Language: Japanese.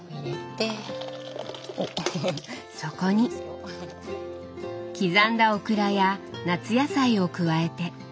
そこに刻んだオクラや夏野菜を加えて。